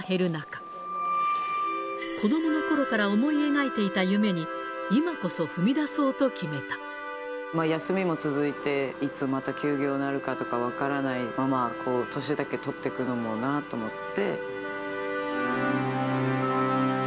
舞さんも仕事が減る中、子どものころから思い描いていた夢に、休みも続いて、いつまた休業なるかとか分からないまま、年だけ取っていくのもなって思って。